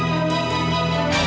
aku ingin pihak ku